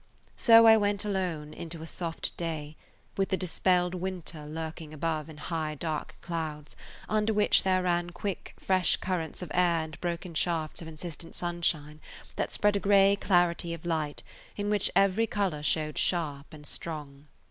So I went out alone into a soft day, with the dispelled winter lurking above in high dark clouds, under which there ran quick, fresh currents of air and broken shafts of insistent sunshine [Page 123] that spread a gray clarity of light in which every color showed sharp and strong.